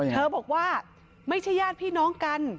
บอกว่าไม่ใช่ญาติพี่น้องกัน